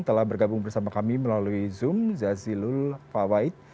telah bergabung bersama kami melalui zoom zazilul fawait